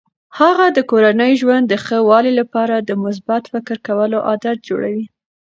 هغه د کورني ژوند د ښه والي لپاره د مثبت فکر کولو عادات جوړوي.